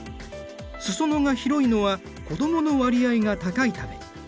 裾野が広いのは子どもの割合が高いため。